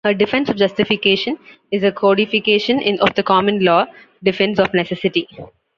A defense of justification is a codification of the common law defense of necessity.